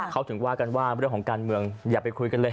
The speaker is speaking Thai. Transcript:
เขาถึงว่ากันว่าเรื่องของการเมืองอย่าไปคุยกันเลย